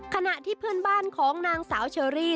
ขณะที่เพื่อนบ้านของนางสาวเชอรี่